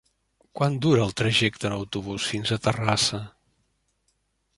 Quant dura el trajecte en autobús fins a Terrassa?